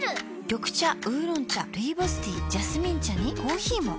緑茶烏龍茶ルイボスティージャスミン茶にコーヒーも。